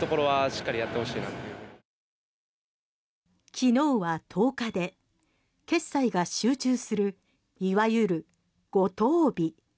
昨日は１０日で決済が集中するいわゆる五十日。